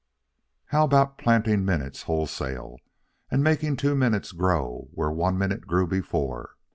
How about planting minutes wholesale, and making two minutes grow where one minute grew before?